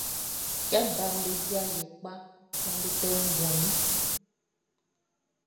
Kɛ baʼm be di aliɛ kpa mɔ be te o nguan nunʼn.